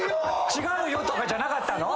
「違うよ」とかじゃなかったの！？